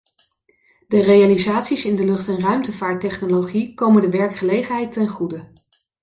De realisaties in de lucht- en ruimtevaarttechnologie komen de werkgelegenheid ten goede.